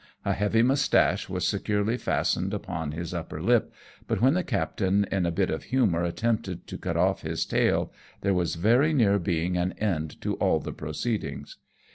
A heavy moustache was securel^y fastened upon his upper lip, but when the captain in a bit of humour attempted to cut off his tail, there was very near being an end to all the proceedings.